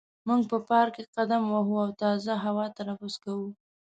موږ په پارک کې قدم وهو او تازه هوا تنفس کوو.